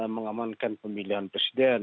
mengamankan pemilihan presiden